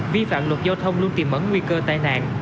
vi phạm luật giao thông luôn tìm mẫn nguy cơ tai nạn